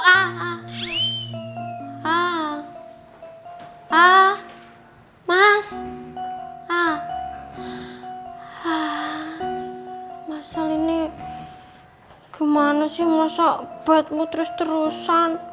mas al mas al mas al ini gimana sih masa bad mood terus terusan